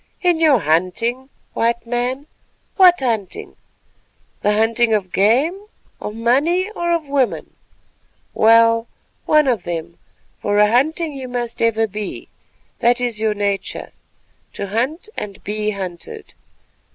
"In your hunting, White Man; what hunting? The hunting of game, of money, or of women? Well, one of them, for a hunting you must ever be; that is your nature, to hunt and be hunted.